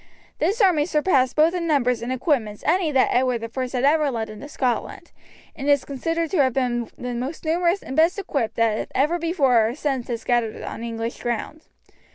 This army surpassed both in numbers and equipments any that Edward I had ever led into Scotland, and is considered to have been the most numerous and best equipped that ever before or since has gathered on English ground.